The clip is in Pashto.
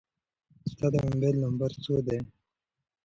ستا د موبایل نمبر څو دی؟